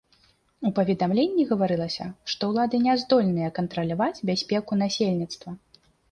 У паведамленні гаварылася, што ўлады не здольныя кантраляваць бяспеку насельніцтва.